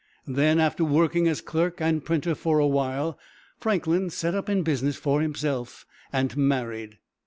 Then, after working as clerk and printer for a while, Franklin set up in business for himself, and married.